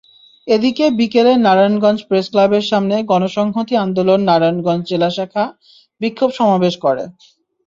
এদিকে বিকেলে নারায়ণগঞ্জ প্রেসক্লাবের সামনে গণসংহতি আন্দোলন নারায়ণগঞ্জ জেলা শাখা বিক্ষোভ সমাবেশ করে।